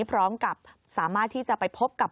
พร้อมกับสามารถที่จะไปพบกับ